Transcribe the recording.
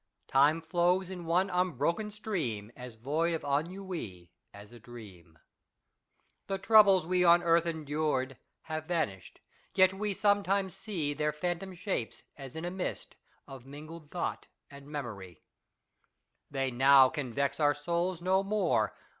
Time flows in one unbroken stream, As void of ennui as a dream. The troubles we on earth endured Have vanished ; yet we sometimes see Their phantom shapes, as in a mist Of mingled thought and memory : They now can vex our souls no more.